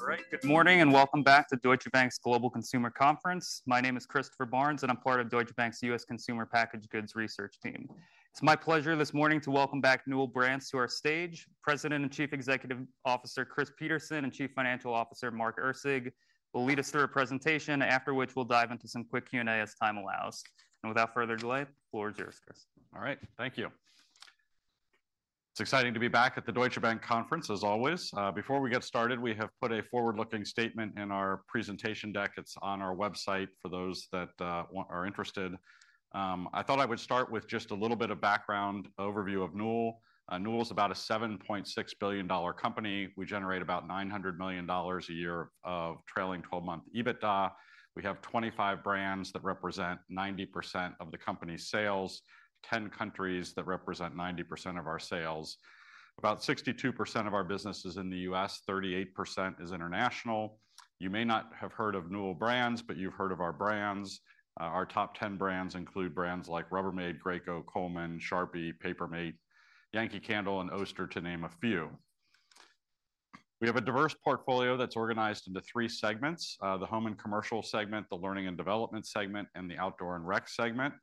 All right, good morning and welcome back to Deutsche Bank's Global Consumer Conference. My name is Christopher Barnes, and I'm part of Deutsche Bank's U.S. Consumer Packaged Goods Research Team. It's my pleasure this morning to welcome back Newell Brands to our stage. President and Chief Executive Officer Chris Peterson and Chief Financial Officer Mark Erceg will lead us through a presentation, after which we'll dive into some quick Q&A as time allows. Without further delay, the floor is yours, Chris. All right, thank you. It's exciting to be back at the Deutsche Bank Conference, as always. Before we get started, we have put a forward-looking statement in our presentation deck. It's on our website for those that are interested. I thought I would start with just a little bit of background overview of Newell. Newell is about a $7.6 billion company. We generate about $900 million a year of trailing 12-month EBITDA. We have 25 brands that represent 90% of the company's sales, 10 countries that represent 90% of our sales, about 62% of our business is in the U.S., 38% is international. You may not have heard of Newell Brands, but you've heard of our brands. Our top 10 brands include brands like Rubbermaid, Graco, Coleman, Sharpie, Paper Mate, Yankee Candle, and Oster, to name a few. We have a diverse portfolio that's organized into three segments: the home and commercial segment, the learning and development segment, and the outdoor and rec segment.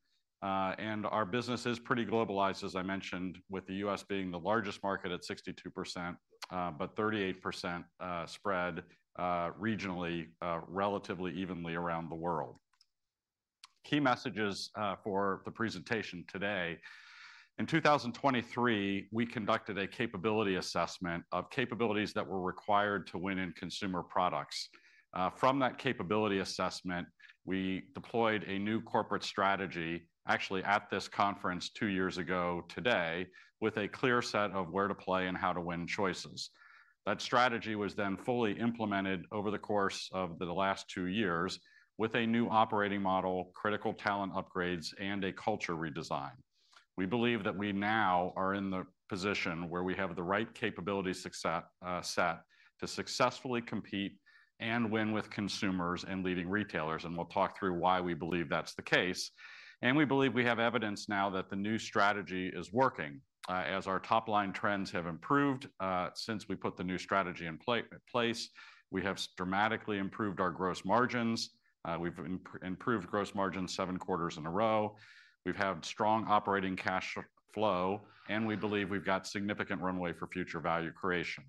Our business is pretty globalized, as I mentioned, with the U.S. being the largest market at 62%, but 38% spread regionally relatively evenly around the world. Key messages for the presentation today: in 2023, we conducted a capability assessment of capabilities that were required to win in consumer products. From that capability assessment, we deployed a new corporate strategy, actually at this conference two years ago today, with a clear set of where to play and how to win choices. That strategy was then fully implemented over the course of the last two years with a new operating model, critical talent upgrades, and a culture redesign. We believe that we now are in the position where we have the right capability set to successfully compete and win with consumers and leading retailers, and we will talk through why we believe that is the case. We believe we have evidence now that the new strategy is working. As our top-line trends have improved since we put the new strategy in place, we have dramatically improved our gross margins. We have improved gross margins seven quarters in a row. We have had strong operating cash flow, and we believe we have significant runway for future value creation.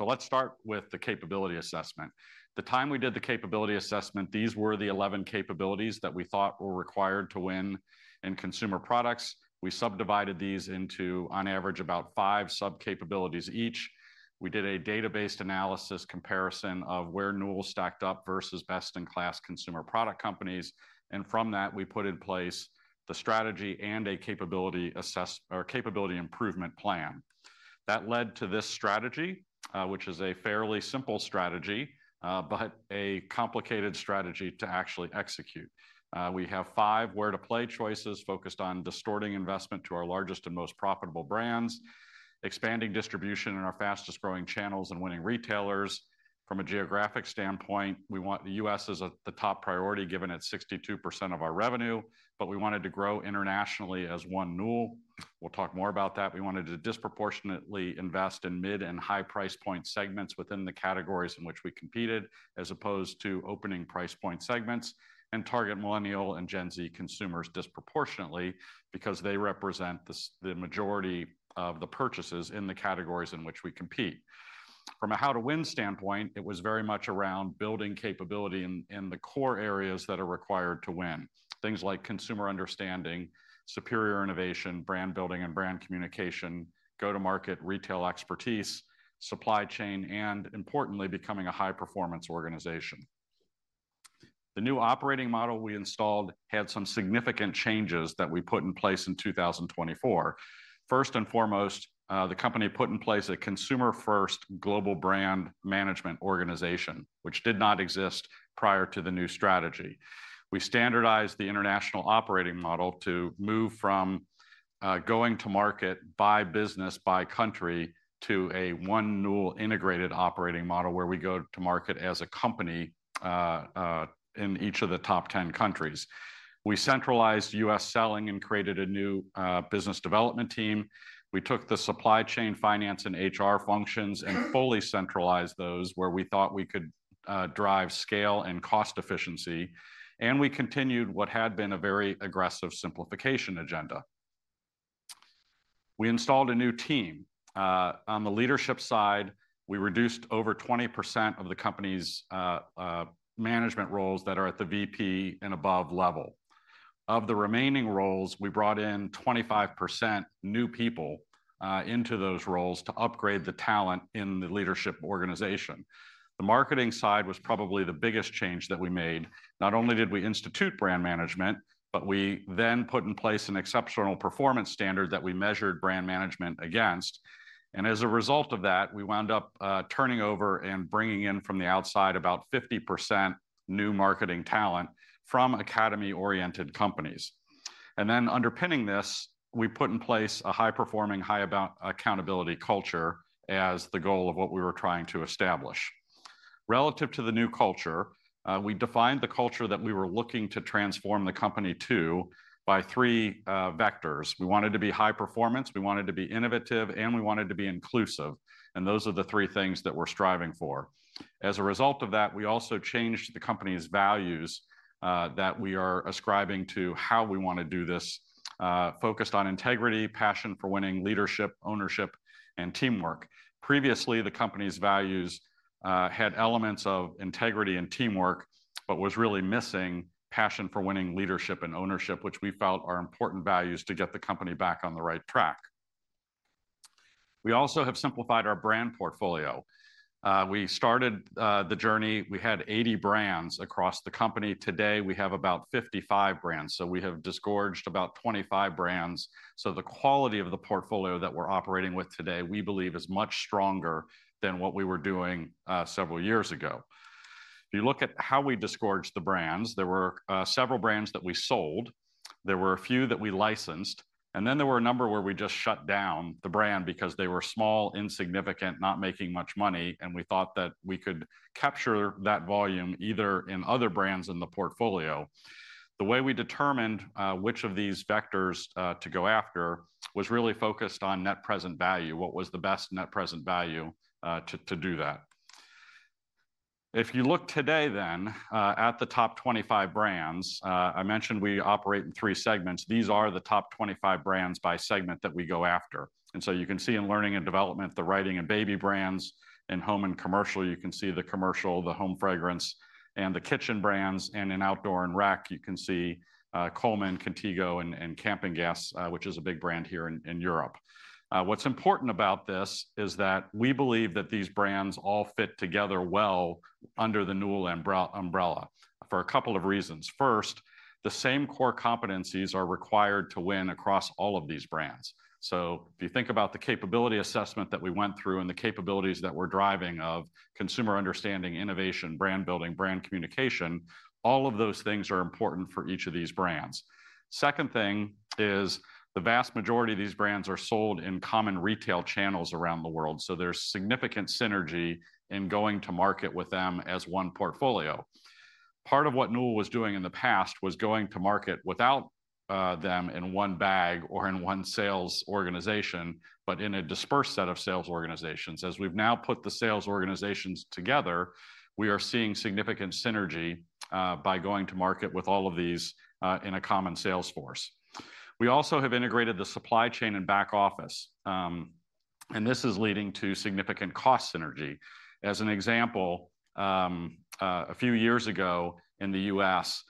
Let us start with the capability assessment. The time we did the capability assessment, these were the 11 capabilities that we thought were required to win in consumer products. We subdivided these into, on average, about five sub-capabilities each. We did a database analysis comparison of where Newell stacked up versus best-in-class consumer product companies, and from that, we put in place the strategy and a capability improvement plan. That led to this strategy, which is a fairly simple strategy, but a complicated strategy to actually execute. We have five where-to-play choices focused on distorting investment to our largest and most profitable brands, expanding distribution in our fastest-growing channels, and winning retailers. From a geographic standpoint, we want the U.S. as the top priority given its 62% of our revenue, but we wanted to grow internationally as one Newell. We'll talk more about that. We wanted to disproportionately invest in mid and high price point segments within the categories in which we competed, as opposed to opening price point segments, and target millennial and Gen Z consumers disproportionately because they represent the majority of the purchases in the categories in which we compete. From a how-to-win standpoint, it was very much around building capability in the core areas that are required to win: things like consumer understanding, superior innovation, brand building, and brand communication, go-to-market retail expertise, supply chain, and importantly, becoming a high-performance organization. The new operating model we installed had some significant changes that we put in place in 2024. First and foremost, the company put in place a consumer-first global brand management organization, which did not exist prior to the new strategy. We standardized the international operating model to move from going to market by business, by country, to a one Newell integrated operating model where we go to market as a company in each of the top 10 countries. We centralized U.S. selling and created a new business development team. We took the supply chain, finance, and HR functions and fully centralized those where we thought we could drive scale and cost efficiency, and we continued what had been a very aggressive simplification agenda. We installed a new team. On the leadership side, we reduced over 20% of the company's management roles that are at the VP and above level. Of the remaining roles, we brought in 25% new people into those roles to upgrade the talent in the leadership organization. The marketing side was probably the biggest change that we made. Not only did we institute brand management, but we then put in place an exceptional performance standard that we measured brand management against. As a result of that, we wound up turning over and bringing in from the outside about 50% new marketing talent from academy-oriented companies. Underpinning this, we put in place a high-performing, high-accountability culture as the goal of what we were trying to establish. Relative to the new culture, we defined the culture that we were looking to transform the company to by three vectors. We wanted to be high performance, we wanted to be innovative, and we wanted to be inclusive. Those are the three things that we're striving for. As a result of that, we also changed the company's values that we are ascribing to how we want to do this, focused on integrity, passion for winning, leadership, ownership, and teamwork. Previously, the company's values had elements of integrity and teamwork, but was really missing passion for winning, leadership, and ownership, which we felt are important values to get the company back on the right track. We also have simplified our brand portfolio. We started the journey. We had 80 brands across the company. Today, we have about 55 brands. We have disgorged about 25 brands. The quality of the portfolio that we're operating with today, we believe, is much stronger than what we were doing several years ago. If you look at how we disgorged the brands, there were several brands that we sold. There were a few that we licensed. There were a number where we just shut down the brand because they were small, insignificant, not making much money, and we thought that we could capture that volume either in other brands in the portfolio. The way we determined which of these vectors to go after was really focused on net present value, what was the best net present value to do that. If you look today at the top 25 brands, I mentioned we operate in three segments. These are the top 25 brands by segment that we go after. You can see in learning and development, the writing and baby brands. In home and commercial, you can see the commercial, the home fragrance, and the kitchen brands. In outdoor and rec, you can see Coleman, Contigo, and Campingaz, which is a big brand here in Europe. What's important about this is that we believe that these brands all fit together well under the Newell umbrella for a couple of reasons. First, the same core competencies are required to win across all of these brands. If you think about the capability assessment that we went through and the capabilities that we're driving of consumer understanding, innovation, brand building, brand communication, all of those things are important for each of these brands. The second thing is the vast majority of these brands are sold in common retail channels around the world. There is significant synergy in going to market with them as one portfolio. Part of what Newell was doing in the past was going to market without them in one bag or in one sales organization, but in a dispersed set of sales organizations. As we've now put the sales organizations together, we are seeing significant synergy by going to market with all of these in a common sales force. We also have integrated the supply chain and back office. This is leading to significant cost synergy. As an example, a few years ago in the U.S.,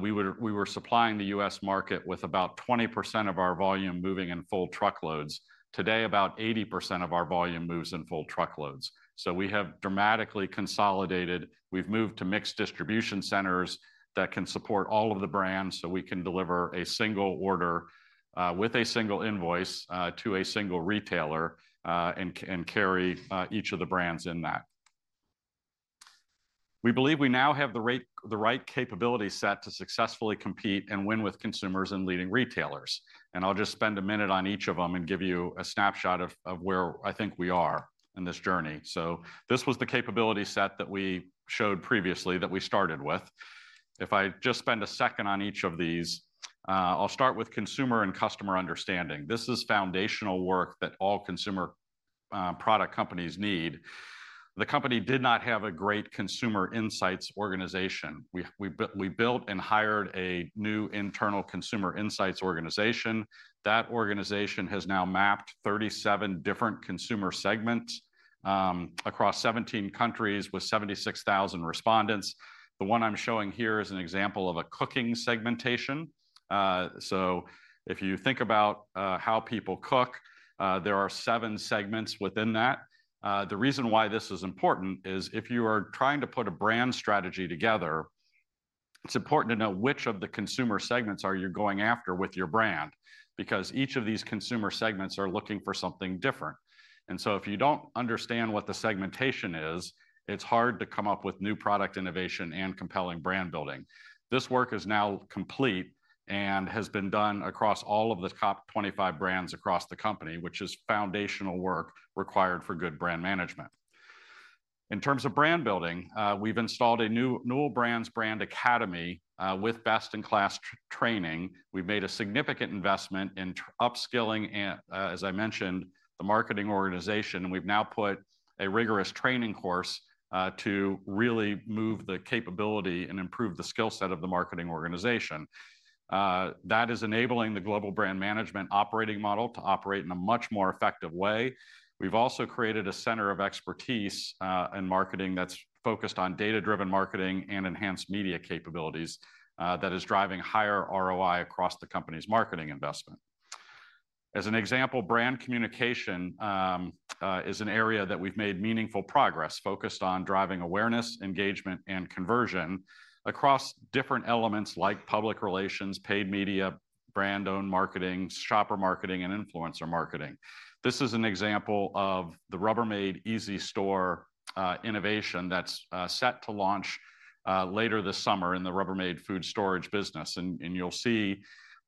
we were supplying the U.S. market with about 20% of our volume moving in full truckloads. Today, about 80% of our volume moves in full truckloads. We have dramatically consolidated. We have moved to mixed distribution centers that can support all of the brands so we can deliver a single order with a single invoice to a single retailer and carry each of the brands in that. We believe we now have the right capability set to successfully compete and win with consumers and leading retailers. I'll just spend a minute on each of them and give you a snapshot of where I think we are in this journey. This was the capability set that we showed previously that we started with. If I just spend a second on each of these, I'll start with consumer and customer understanding. This is foundational work that all consumer product companies need. The company did not have a great consumer insights organization. We built and hired a new internal consumer insights organization. That organization has now mapped 37 different consumer segments across 17 countries with 76,000 respondents. The one I'm showing here is an example of a cooking segmentation. If you think about how people cook, there are seven segments within that. The reason why this is important is if you are trying to put a brand strategy together, it's important to know which of the consumer segments are you going after with your brand because each of these consumer segments are looking for something different. If you don't understand what the segmentation is, it's hard to come up with new product innovation and compelling brand building. This work is now complete and has been done across all of the top 25 brands across the company, which is foundational work required for good brand management. In terms of brand building, we've installed a Newell Brands brand academy with best-in-class training. We've made a significant investment in upskilling, as I mentioned, the marketing organization. We've now put a rigorous training course to really move the capability and improve the skill set of the marketing organization. That is enabling the global brand management operating model to operate in a much more effective way. We've also created a center of expertise in marketing that's focused on data-driven marketing and enhanced media capabilities that is driving higher ROI across the company's marketing investment. As an example, brand communication is an area that we've made meaningful progress focused on driving awareness, engagement, and conversion across different elements like public relations, paid media, brand-owned marketing, shopper marketing, and influencer marketing. This is an example of the Rubbermaid Easy Store innovation that's set to launch later this summer in the Rubbermaid food storage business. You will see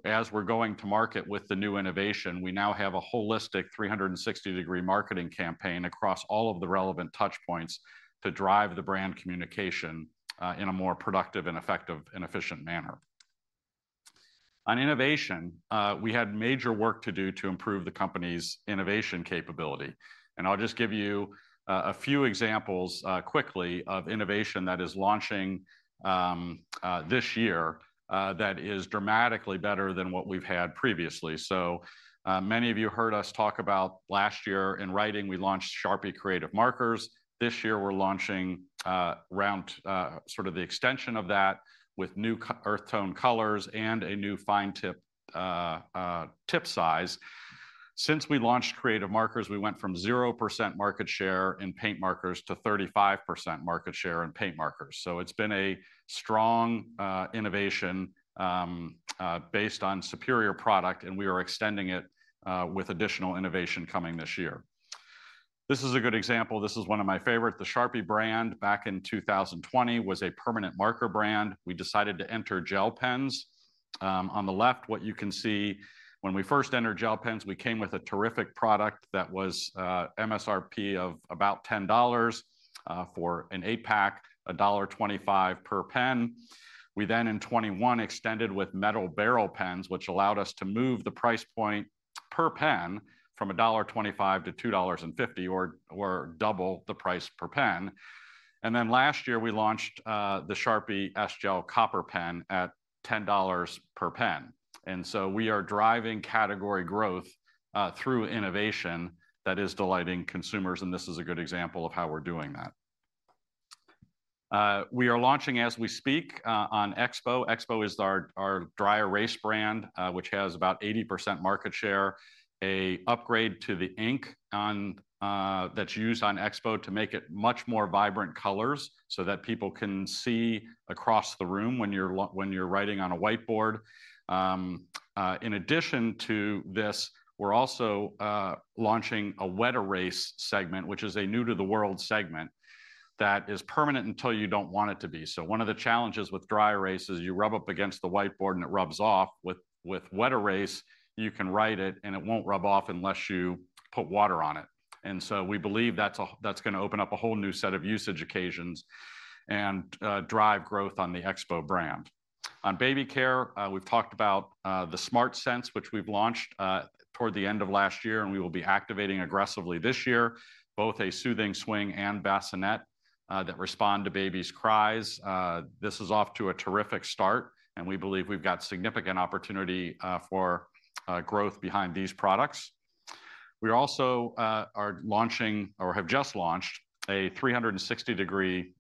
as we're going to market with the new innovation, we now have a holistic 360-degree marketing campaign across all of the relevant touchpoints to drive the brand communication in a more productive and effective and efficient manner. On innovation, we had major work to do to improve the company's innovation capability. I'll just give you a few examples quickly of innovation that is launching this year that is dramatically better than what we've had previously. Many of you heard us talk about last year in writing, we launched Sharpie Creative Markers. This year, we're launching around sort of the extension of that with new earth tone colors and a new fine tip size. Since we launched Creative Markers, we went from 0% market share in paint markers to 35% market share in paint markers. It's been a strong innovation based on superior product, and we are extending it with additional innovation coming this year. This is a good example. This is one of my favorites. The Sharpie brand back in 2020 was a permanent marker brand. We decided to enter gel pens. On the left, what you can see when we first entered gel pens, we came with a terrific product that was MSRP of about $10 for an eight-pack, $1.25 per pen. We then in 2021 extended with metal barrel pens, which allowed us to move the price point per pen from $1.25 to $2.50 or double the price per pen. Last year, we launched the Sharpie S Gel Copper Pen at $10 per pen. We are driving category growth through innovation that is delighting consumers. This is a good example of how we're doing that. We are launching as we speak on Expo. Expo is our dry erase brand, which has about 80% market share, an upgrade to the ink that's used on Expo to make it much more vibrant colors so that people can see across the room when you're writing on a whiteboard. In addition to this, we're also launching a wet erase segment, which is a new-to-the-world segment that is permanent until you don't want it to be. One of the challenges with dry erase is you rub up against the whiteboard and it rubs off. With wet erase, you can write it and it won't rub off unless you put water on it. We believe that's going to open up a whole new set of usage occasions and drive growth on the Expo brand. On baby care, we've talked about the SmartSense, which we've launched toward the end of last year, and we will be activating aggressively this year, both a soothing swing and bassinet that respond to babies' cries. This is off to a terrific start, and we believe we've got significant opportunity for growth behind these products. We also are launching or have just launched a 360-degree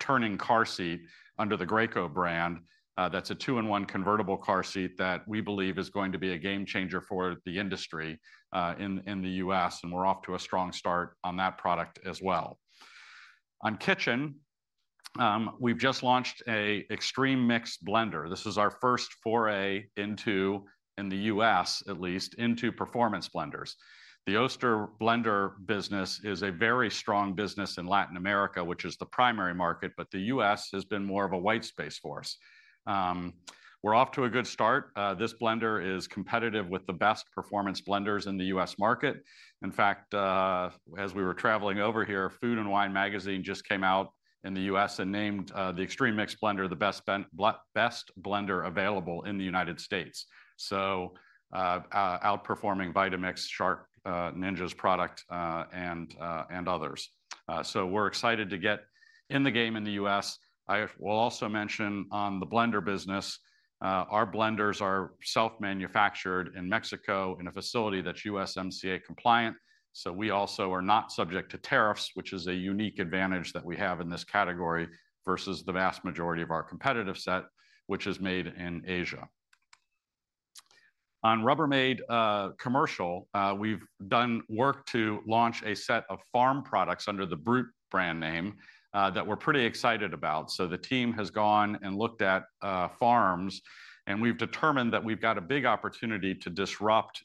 turning car seat under the Graco brand. That's a two-in-one convertible car seat that we believe is going to be a game changer for the industry in the U.S. We are off to a strong start on that product as well. On kitchen, we have just launched an Extreme Mix Blender. This is our first foray into the U.S., at least into performance blenders. The Oster blender business is a very strong business in Latin America, which is the primary market, but the U.S. has been more of a white space for us. We are off to a good start. This blender is competitive with the best performance blenders in the U.S. market. In fact, as we were traveling over here, Food and Wine Magazine just came out in the U.S. and named the Extreme Mix Blender the best blender available in United States outperforming Vitamix, Shark, Ninja's product, and others. We're excited to get in the game in the U.S. I will also mention on the blender business, our blenders are self-manufactured in Mexico in a facility that's USMCA compliant. We also are not subject to tariffs, which is a unique advantage that we have in this category versus the vast majority of our competitive set, which is made in Asia. On Rubbermaid commercial, we've done work to launch a set of farm products under the Brute brand name that we're pretty excited about. The team has gone and looked at farms, and we've determined that we've got a big opportunity to disrupt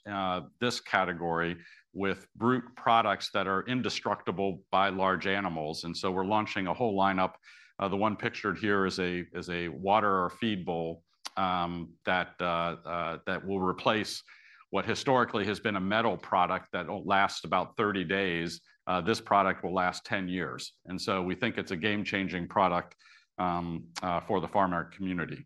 this category with Brute products that are indestructible by large animals. We're launching a whole lineup. The one pictured here is a water or feed bowl that will replace what historically has been a metal product that will last about 30 days. This product will last 10 years. We think it is a game-changing product for the farming community.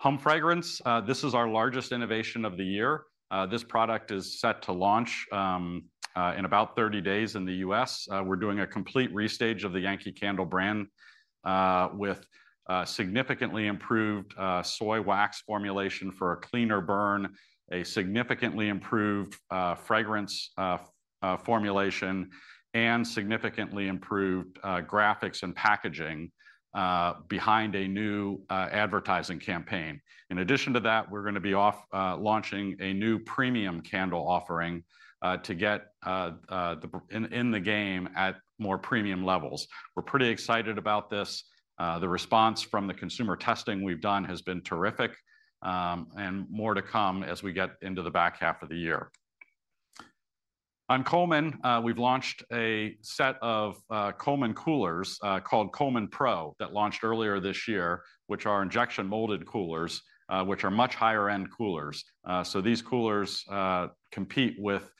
Home fragrance, this is our largest innovation of the year. This product is set to launch in about 30 days in the U.S. We are doing a complete restage of the Yankee Candle brand with significantly improved soy wax formulation for a cleaner burn, a significantly improved fragrance formulation, and significantly improved graphics and packaging behind a new advertising campaign. In addition to that, we are going to be launching a new premium candle offering to get in the game at more premium levels. We are pretty excited about this. The response from the consumer testing we've done has been terrific and more to come as we get into the back half of the year. On Coleman, we've launched a set of Coleman coolers called Coleman Pro that launched earlier this year, which are injection molded coolers, which are much higher-end coolers. These coolers compete with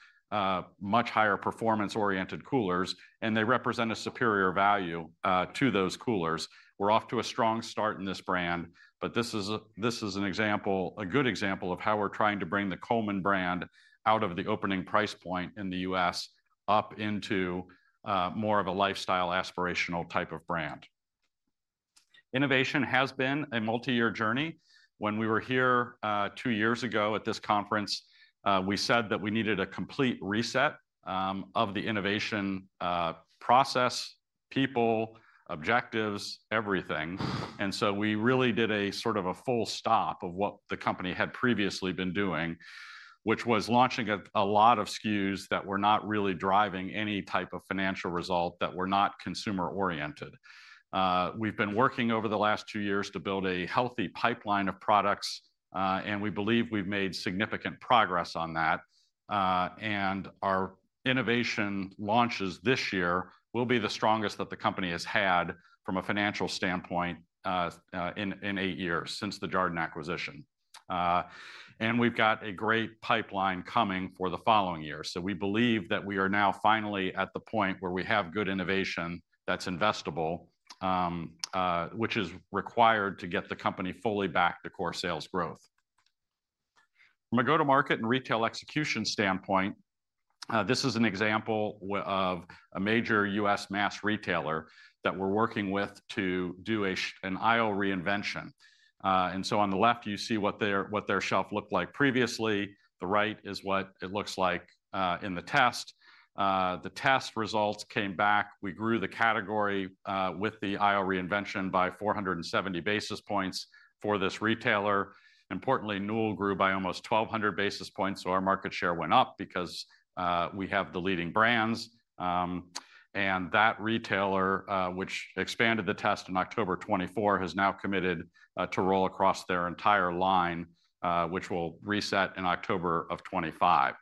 much higher performance-oriented coolers, and they represent a superior value to those coolers. We're off to a strong start in this brand, but this is an example, a good example of how we're trying to bring the Coleman brand out of the opening price point in the U.S. up into more of a lifestyle aspirational type of brand. Innovation has been a multi-year journey. When we were here two years ago at this conference, we said that we needed a complete reset of the innovation process, people, objectives, everything. We really did a sort of a full stop of what the company had previously been doing, which was launching a lot of SKUs that were not really driving any type of financial result that were not consumer-oriented. We've been working over the last two years to build a healthy pipeline of products, and we believe we've made significant progress on that. Our innovation launches this year will be the strongest that the company has had from a financial standpoint in eight years since the Jarden acquisition. We've got a great pipeline coming for the following year. We believe that we are now finally at the point where we have good innovation that's investable, which is required to get the company fully back to core sales growth. From a go-to-market and retail execution standpoint, this is an example of a major U.S. mass retailer that we are working with to do an aisle reinvention. On the left, you see what their shelf looked like previously. The right is what it looks like in the test. The test results came back. We grew the category with the aisle reinvention by 470 basis points for this retailer. Importantly, Newell grew by almost 1,200 basis points. Our market share went up because we have the leading brands. That retailer, which expanded the test in October 2024, has now committed to roll across their entire line, which will reset in October of 2025.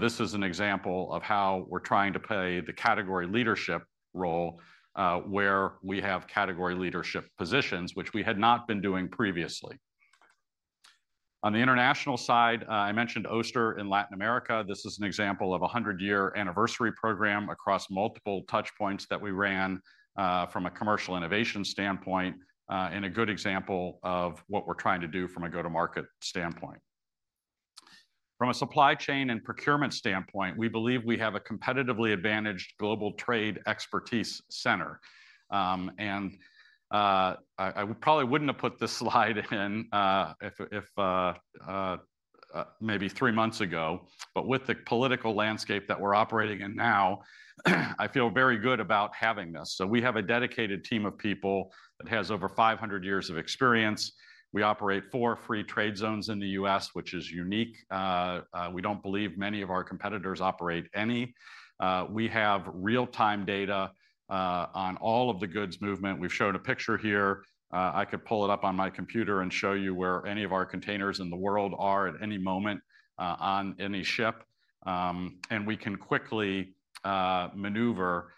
This is an example of how we are trying to play the category leadership role where we have category leadership positions, which we had not been doing previously. On the international side, I mentioned Oster in Latin America. This is an example of a 100-year anniversary program across multiple touchpoints that we ran from a commercial innovation standpoint and a good example of what we're trying to do from a go-to-market standpoint. From a supply chain and procurement standpoint, we believe we have a competitively advantaged global trade expertise center. I probably wouldn't have put this slide in maybe three months ago, but with the political landscape that we're operating in now, I feel very good about having this. We have a dedicated team of people that has over 500 years of experience. We operate four free trade zones in the U.S., which is unique. We don't believe many of our competitors operate any. We have real-time data on all of the goods movement. We've shown a picture here. I could pull it up on my computer and show you where any of our containers in the world are at any moment on any ship. We can quickly maneuver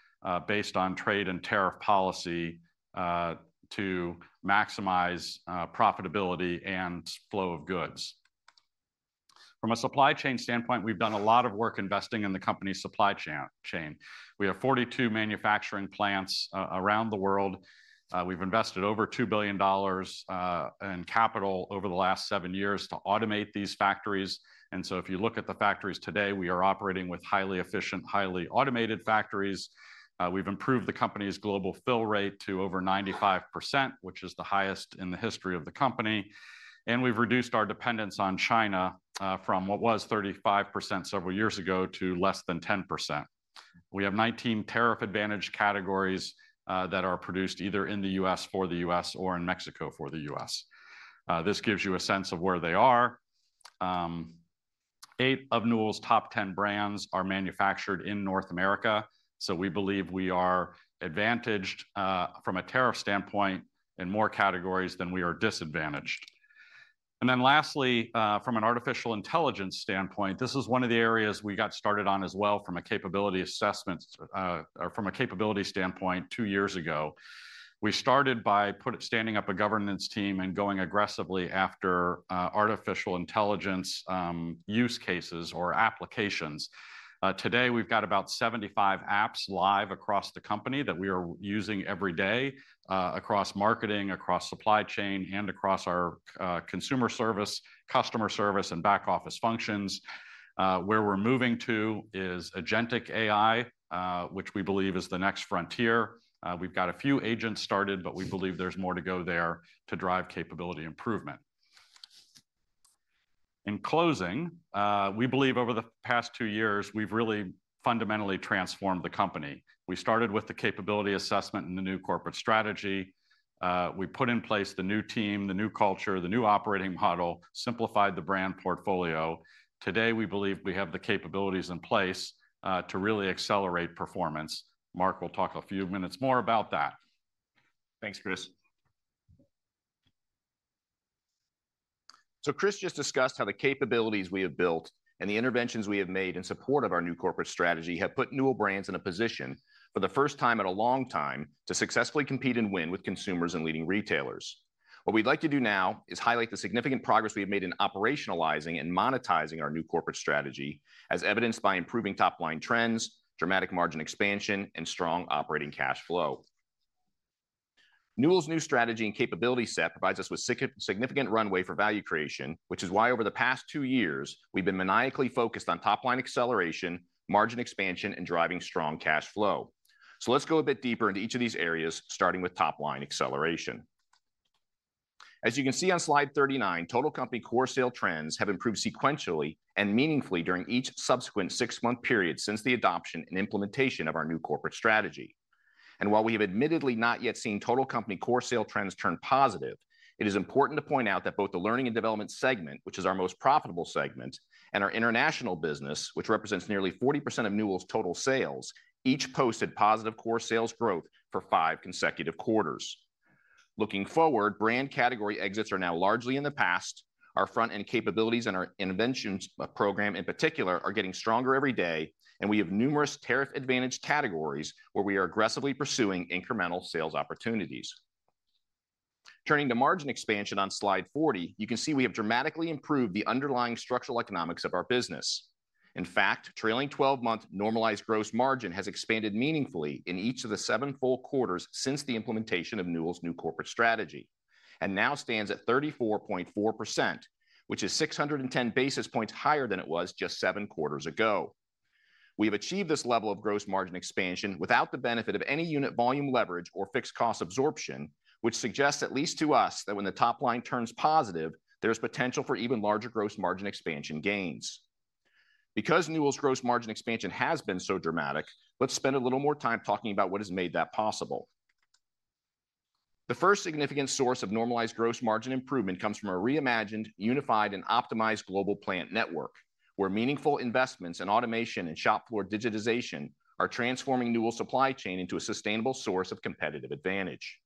based on trade and tariff policy to maximize profitability and flow of goods. From a supply chain standpoint, we've done a lot of work investing in the company's supply chain. We have 42 manufacturing plants around the world. We've invested over $2 billion in capital over the last seven years to automate these factories. If you look at the factories today, we are operating with highly efficient, highly automated factories. We've improved the company's global fill rate to over 95%, which is the highest in the history of the company. We've reduced our dependence on China from what was 35% several years ago to less than 10%. We have 19 tariff-advantaged categories that are produced either in the U.S. for the U.S. or in Mexico for the U.S. This gives you a sense of where they are. Eight of Newell's top 10 brands are manufactured in North America. We believe we are advantaged from a tariff standpoint in more categories than we are disadvantaged. Lastly, from an artificial intelligence standpoint, this is one of the areas we got started on as well from a capability assessment or from a capability standpoint two years ago. We started by standing up a governance team and going aggressively after artificial intelligence use cases or applications. Today, we've got about 75 apps live across the company that we are using every day across marketing, across supply chain, and across our consumer service, customer service, and back office functions. Where we're moving to is agentic AI, which we believe is the next frontier. We've got a few agents started, but we believe there's more to go there to drive capability improvement. In closing, we believe over the past two years, we've really fundamentally transformed the company. We started with the capability assessment and the new corporate strategy. We put in place the new team, the new culture, the new operating model, simplified the brand portfolio. Today, we believe we have the capabilities in place to really accelerate performance. Mark will talk a few minutes more about that. Thanks, Chris. Chris just discussed how the capabilities we have built and the interventions we have made in support of our new corporate strategy have put Newell Brands in a position for the first time in a long time to successfully compete and win with consumers and leading retailers. What we'd like to do now is highlight the significant progress we have made in operationalizing and monetizing our new corporate strategy, as evidenced by improving top-line trends, dramatic margin expansion, and strong operating cash flow. Newell's new strategy and capability set provides us with significant runway for value creation, which is why over the past two years, we've been maniacally focused on top-line acceleration, margin expansion, and driving strong cash flow. Let's go a bit deeper into each of these areas, starting with top-line acceleration. As you can see on slide 39, total company core sale trends have improved sequentially and meaningfully during each subsequent six-month period since the adoption and implementation of our new corporate strategy. While we have admittedly not yet seen total company core sale trends turn positive, it is important to point out that both the learning and development segment, which is our most profitable segment, and our international business, which represents nearly 40% of Newell's total sales, each posted positive core sales growth for five consecutive quarters. Looking forward, brand category exits are now largely in the past. Our front-end capabilities and our inventions program in particular are getting stronger every day, and we have numerous tariff-advantaged categories where we are aggressively pursuing incremental sales opportunities. Turning to margin expansion on slide 40, you can see we have dramatically improved the underlying structural economics of our business. In fact, trailing 12-month normalized gross margin has expanded meaningfully in each of the seven full quarters since the implementation of Newell's new corporate strategy and now stands at 34.4%, which is 610 basis points higher than it was just seven quarters ago. We have achieved this level of gross margin expansion without the benefit of any unit volume leverage or fixed cost absorption, which suggests at least to us that when the top line turns positive, there is potential for even larger gross margin expansion gains. Because Newell's gross margin expansion has been so dramatic, let's spend a little more time talking about what has made that possible. The first significant source of normalized gross margin improvement comes from a reimagined, unified, and optimized global plant network, where meaningful investments in automation and shop floor digitization are transforming Newell's supply chain into a sustainable source of competitive advantage.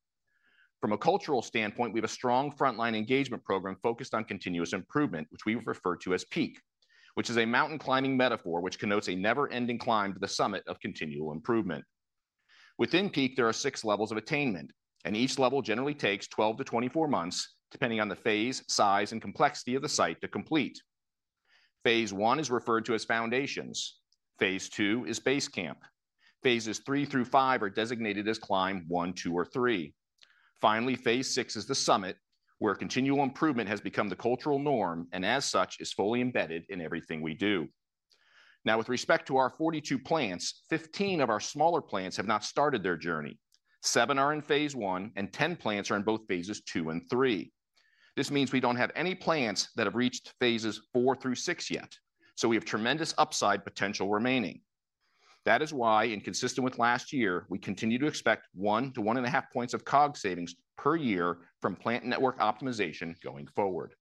From a cultural standpoint, we have a strong front-line engagement program focused on continuous improvement, which we refer to as PEAK, which is a mountain climbing metaphor that connotes a never-ending climb to the summit of continual improvement. Within PEAK, there are six levels of attainment, and each level generally takes 12-24 months, depending on the phase, size, and complexity of the site to complete, phase I is referred to as foundations, phase II is base camp, phases III through five are designated as climb one, two, or three. Finally, phase VI is the summit, where continual improvement has become the cultural norm and, as such, is fully embedded in everything we do. Now, with respect to our 42 plants, 15 of our smaller plants have not started their journey. Seven are in phase I, and 10 plants are in both phases two and three. This means we do not have any plants that have reached phases four through six yet. We have tremendous upside potential remaining. That is why, consistent with last year, we continue to expect 1-1.5 points of COGS savings per year from plant network optimization going forward.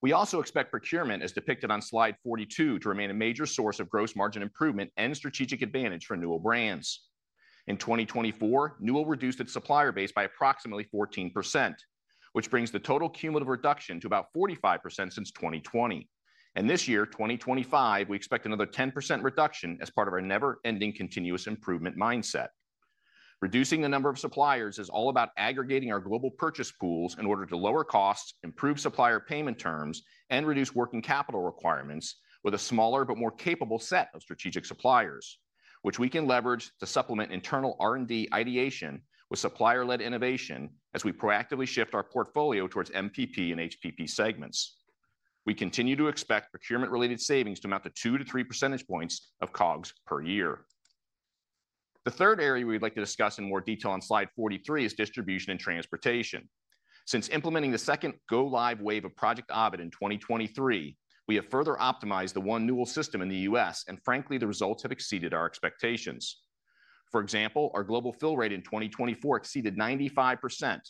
We also expect procurement, as depicted on slide 42, to remain a major source of gross margin improvement and strategic advantage for Newell Brands. In 2024, Newell reduced its supplier base by approximately 14%, which brings the total cumulative reduction to about 45% since 2020. This year, 2025, we expect another 10% reduction as part of our never-ending continuous improvement mindset. Reducing the number of suppliers is all about aggregating our global purchase pools in order to lower costs, improve supplier payment terms, and reduce working capital requirements with a smaller but more capable set of strategic suppliers, which we can leverage to supplement internal R&D ideation with supplier-led innovation as we proactively shift our portfolio towards MPP and HPP segments. We continue to expect procurement-related savings to amount to 2-3 percentage points of COGS per year. The third area we'd like to discuss in more detail on slide 43 is distribution and transportation. Since implementing the second go-live wave of Project Ovid in 2023, we have further optimized the one Newell system in the U.S., and frankly, the results have exceeded our expectations. For example, our global fill rate in 2024 exceeded 95%,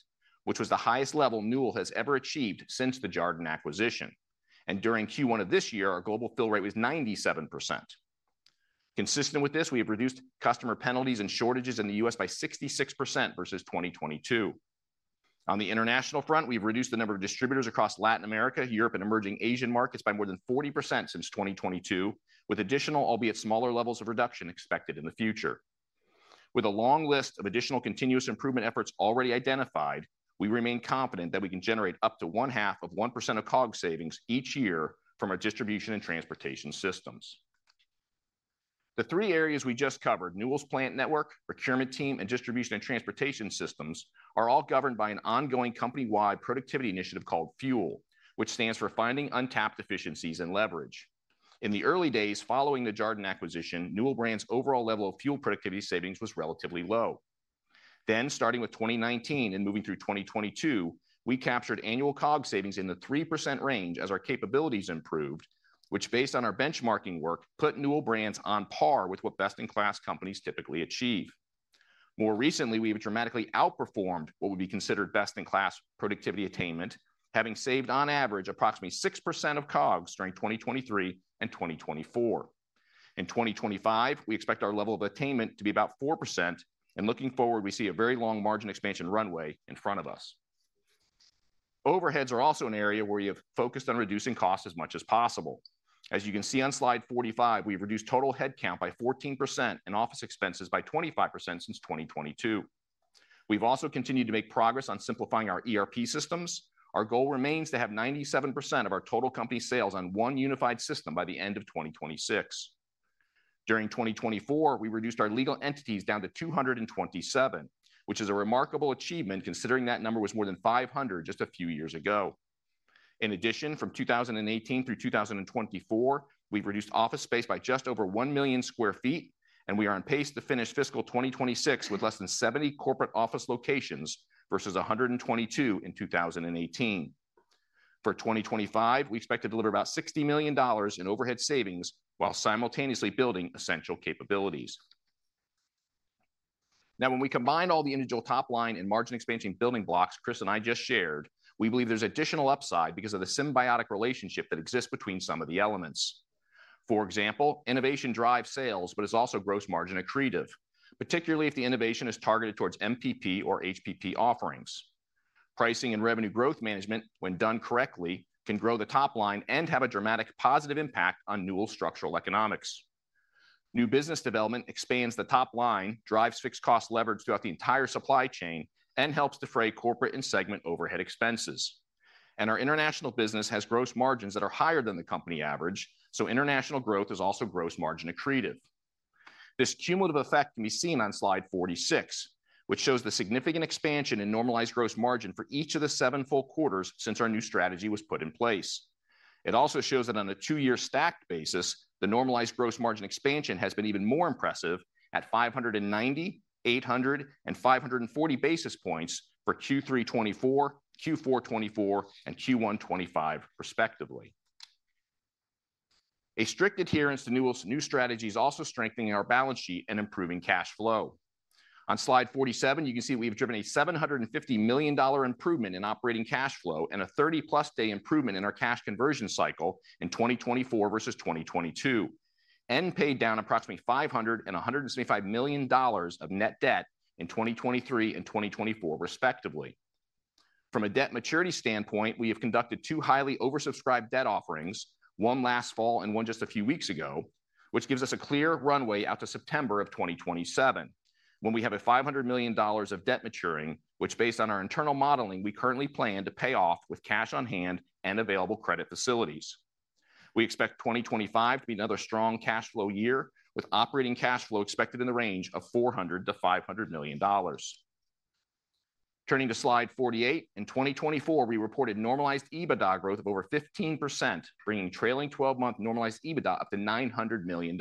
which was the highest level Newell has ever achieved since the Jarden acquisition. During Q1 of this year, our global fill rate was 97%. Consistent with this, we have reduced customer penalties and shortages in the U.S. by 66% versus 2022. On the international front, we have reduced the number of distributors across Latin America, Europe, and emerging Asian markets by more than 40% since 2022, with additional, albeit smaller levels of reduction expected in the future. With a long list of additional continuous improvement efforts already identified, we remain confident that we can generate up to one-half of 1% of COGS savings each year from our distribution and transportation systems. The three areas we just covered, Newell's plant network, procurement team, and distribution and transportation systems, are all governed by an ongoing company-wide productivity initiative called FUEL, which stands for finding untapped efficiencies and leverage. In the early days following the Jarden acquisition, Newell Brands' overall level of FUEL productivity savings was relatively low. Then, starting with 2019 and moving through 2022, we captured annual COGS savings in the 3% range as our capabilities improved, which, based on our benchmarking work, put Newell Brands on par with what best-in-class companies typically achieve. More recently, we have dramatically outperformed what would be considered best-in-class productivity attainment, having saved on average approximately 6% of COGS during 2023 and 2024. In 2025, we expect our level of attainment to be about 4%, and looking forward, we see a very long margin expansion runway in front of us. Overheads are also an area where we have focused on reducing costs as much as possible. As you can see on slide 45, we've reduced total headcount by 14% and office expenses by 25% since 2022. We've also continued to make progress on simplifying our ERP systems. Our goal remains to have 97% of our total company sales on one unified system by the end of 2026. During 2024, we reduced our legal entities down to 227, which is a remarkable achievement considering that number was more than 500 just a few years ago. In addition, from 2018 through 2024, we've reduced office space by just over 1 million sq ft, and we are on pace to finish fiscal 2026 with less than 70 corporate office locations versus 122 in 2018. For 2025, we expect to deliver about $60 million in overhead savings while simultaneously building essential capabilities. Now, when we combine all the individual top-line and margin expansion building blocks Chris I just shared, we believe there's additional upside because of the symbiotic relationship that exists between some of the elements. For example, innovation drives sales, but is also gross margin accretive, particularly if the innovation is targeted towards MPP or HPP offerings. Pricing and revenue growth management, when done correctly, can grow the top line and have a dramatic positive impact on Newell's structural economics. New business development expands the top line, drives fixed cost leverage throughout the entire supply chain, and helps defray corporate and segment overhead expenses. Our international business has gross margins that are higher than the company average, so international growth is also gross margin accretive. This cumulative effect can be seen on slide 46, which shows the significant expansion in normalized gross margin for each of the seven full quarters since our new strategy was put in place. It also shows that on a two-year stacked basis, the normalized gross margin expansion has been even more impressive at 590, 800, and 540 basis points for Q3 2024, Q4 2024, and Q1 2025, respectively. A strict adherence to Newell's new strategy is also strengthening our balance sheet and improving cash flow. On slide 47, you can see we've driven a $750 million improvement in operating cash flow and a 30-plus day improvement in our cash conversion cycle in 2024 versus 2022, and paid down approximately $500 million and $175 million of net debt in 2023 and 2024, respectively. From a debt maturity standpoint, we have conducted two highly oversubscribed debt offerings, one last fall and one just a few weeks ago, which gives us a clear runway out to September of 2027, when we have $500 million of debt maturing, which, based on our internal modeling, we currently plan to pay off with cash on hand and available credit facilities. We expect 2025 to be another strong cash flow year, with operating cash flow expected in the range of $400-$500 million. Turning to slide 48, in 2024, we reported normalized EBITDA growth of over 15%, bringing trailing 12-month normalized EBITDA up to $900 million.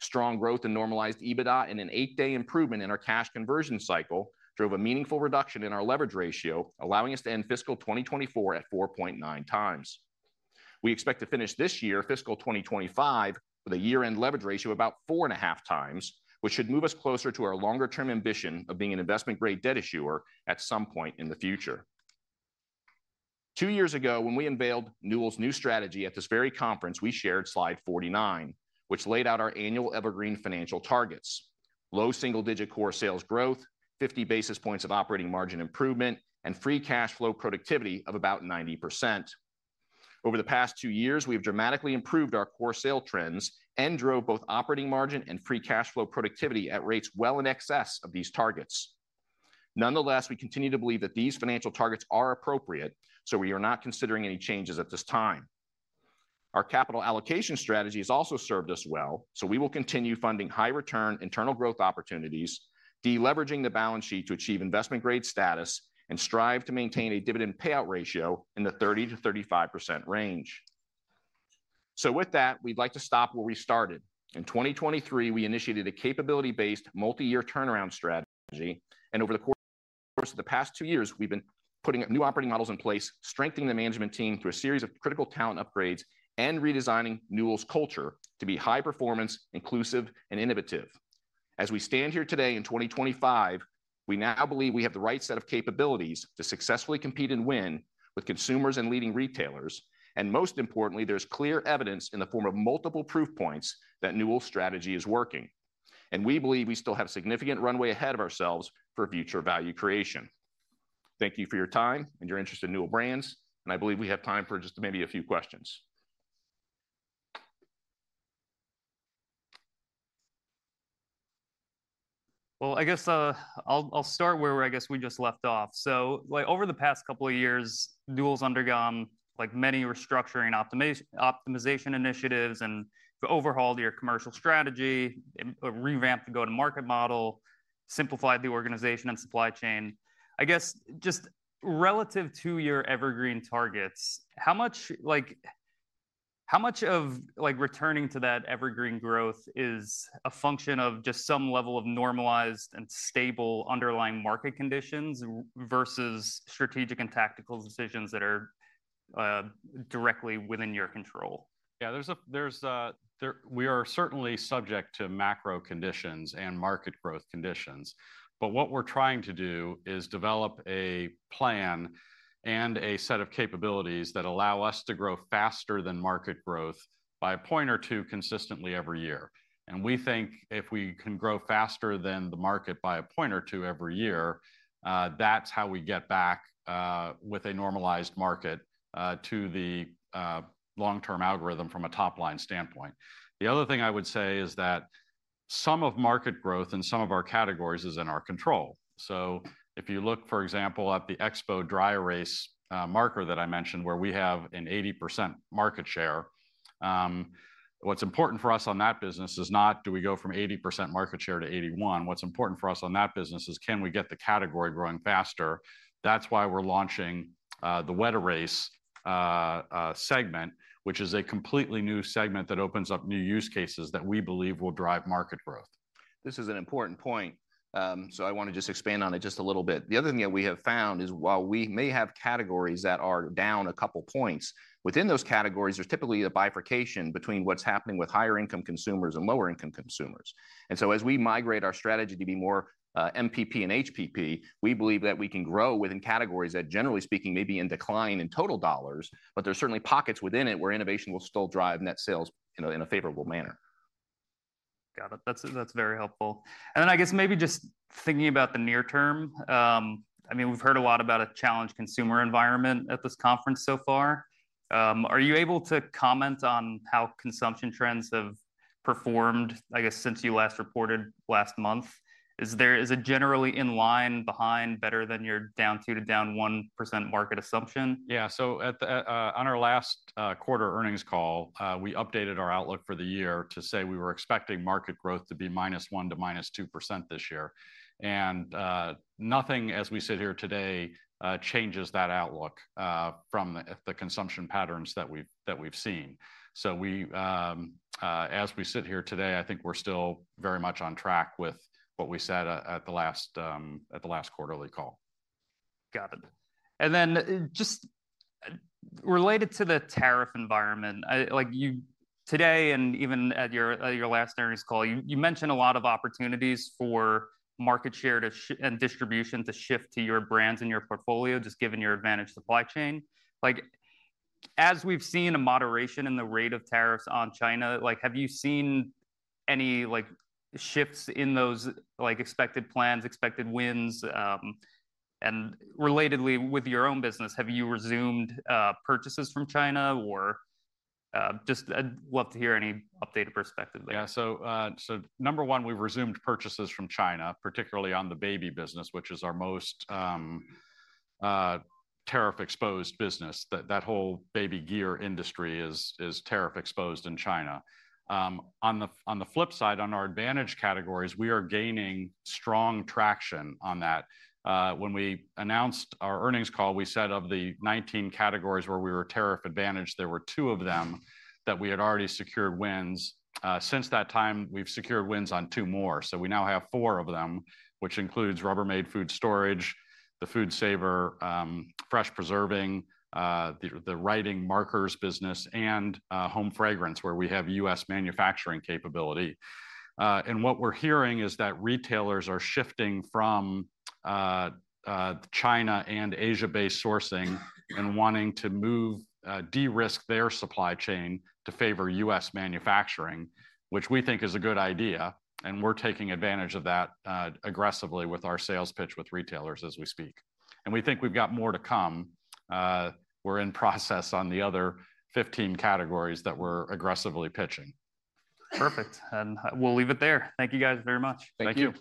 Strong growth in normalized EBITDA and an eight-day improvement in our cash conversion cycle drove a meaningful reduction in our leverage ratio, allowing us to end fiscal 2024 at 4.9 times. We expect to finish this year, fiscal 2025, with a year-end leverage ratio of about 4.5 times, which should move us closer to our longer-term ambition of being an investment-grade debt issuer at some point in the future. Two years ago, when we unveiled Newell's new strategy at this very conference, we shared slide 49, which laid out our annual evergreen financial targets: low single-digit core sales growth, 50 basis points of operating margin improvement, and free cash flow productivity of about 90%. Over the past two years, we have dramatically improved our core sale trends and drove both operating margin and free cash flow productivity at rates well in excess of these targets. Nonetheless, we continue to believe that these financial targets are appropriate, so we are not considering any changes at this time. Our capital allocation strategy has also served us well, so we will continue funding high-return internal growth opportunities, deleveraging the balance sheet to achieve investment-grade status, and strive to maintain a dividend payout ratio in the 30-35% range. With that, we'd like to stop where we started. In 2023, we initiated a capability-based multi-year turnaround strategy, and over the course of the past two years, we've been putting new operating models in place, strengthening the management team through a series of critical talent upgrades, and redesigning Newell's culture to be high-performance, inclusive, and innovative. As we stand here today in 2025, we now believe we have the right set of capabilities to successfully compete and win with consumers and leading retailers, and most importantly, there's clear evidence in the form of multiple proof points that Newell's strategy is working. We believe we still have a significant runway ahead of ourselves for future value creation. Thank you for your time and your interest in Newell Brands, and I believe we have time for just maybe a few questions. I guess I'll start where I guess we just left off. Over the past couple of years, Newell's undergone many restructuring and optimization initiatives and overhauled your commercial strategy, revamped the go-to-market model, simplified the organization and supply chain. I guess just relative to your evergreen targets, how much of returning to that evergreen growth is a function of just some level of normalized and stable underlying market conditions versus strategic and tactical decisions that are directly within your control? Yeah, we are certainly subject to macro conditions and market growth conditions. What we are trying to do is develop a plan and a set of capabilities that allow us to grow faster than market growth by a point or two consistently every year. We think if we can grow faster than the market by a point or two every year, that is how we get back with a normalized market to the long-term algorithm from a top-line standpoint. The other thing I would say is that some of market growth in some of our categories is in our control. If you look, for example, at the Expo dry erase marker that I mentioned, where we have an 80% market share, what is important for us on that business is not, do we go from 80% market share to 81%? What's important for us on that business is, can we get the category growing faster? That's why we're launching the wet erase segment, which is a completely new segment that opens up new use cases that we believe will drive market growth. This is an important point, so I want to just expand on it just a little bit. The other thing that we have found is while we may have categories that are down a couple points, within those categories, there's typically a bifurcation between what's happening with higher-income consumers and lower-income consumers. As we migrate our strategy to be more MPP and HPP, we believe that we can grow within categories that, generally speaking, may be in decline in total dollars, but there's certainly pockets within it where innovation will still drive net sales in a favorable manner. Got it. That's very helpful. I guess maybe just thinking about the near term, I mean, we've heard a lot about a challenged consumer environment at this conference so far. Are you able to comment on how consumption trends have performed, I guess, since you last reported last month? Is it generally in line, behind, better than your down 2%-down 1% market assumption? Yeah. On our last quarter earnings call, we updated our outlook for the year to say we were expecting market growth to be minus 1%-minus 2% this year. Nothing, as we sit here today, changes that outlook from the consumption patterns that we've seen. As we sit here today, I think we're still very much on track with what we said at the last quarterly call. Got it. Then just related to the tariff environment, today and even at your last earnings call, you mentioned a lot of opportunities for market share and distribution to shift to your brands and your portfolio, just given your advantaged supply chain. As we've seen a moderation in the rate of tariffs on China, have you seen any shifts in those expected plans, expected wins? Relatedly, with your own business, have you resumed purchases from China? I'd love to hear any updated perspective. Yeah. Number one, we've resumed purchases from China, particularly on the baby business, which is our most tariff-exposed business. That whole baby gear industry is tariff-exposed in China. On the flip side, on our advantage categories, we are gaining strong traction on that. When we announced our earnings call, we said of the 19 categories where we were tariff advantaged, there were two of them that we had already secured wins. Since that time, we've secured wins on two more. We now have four of them, which includes Rubbermaid Food Storage, FoodSaver, Fresh Preserving, the writing markers business, and Home Fragrance, where we have U.S. manufacturing capability. What we're hearing is that retailers are shifting from China and Asia-based sourcing and wanting to de-risk their supply chain to favor U.S. manufacturing, which we think is a good idea. We are taking advantage of that aggressively with our sales pitch with retailers as we speak. We think we have more to come. We are in process on the other 15 categories that we are aggressively pitching. Perfect. We'll leave it there. Thank you guys very much. Thank you.